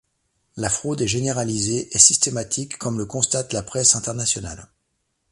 La fraude est généralisée et systématique comme le constate la presse internationale.